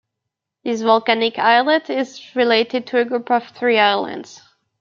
This volcanic islet is related to a group of three islands.